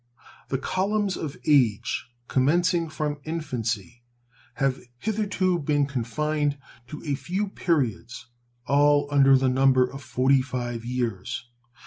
The columns of age, commencing from infancy, have hitherto been confined to a few periods, all under the number of 45 years.